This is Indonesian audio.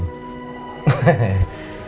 ya udah aku ambil